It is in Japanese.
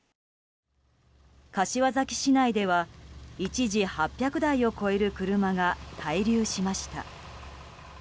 柏崎市内では、一時８００台を超える車が滞留しました。